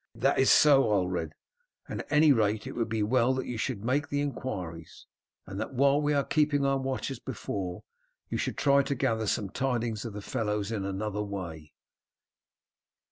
"That is so, Ulred; and at any rate it would be well that you should make the inquiries, and that, while we are keeping our watch as before, you should try to gather some tidings of the fellows in another way."